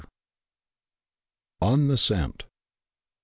ON THE SCENT.